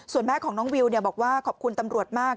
ส่วนแม่ของน้องวิวบอกว่าขอบคุณตำรวจมาก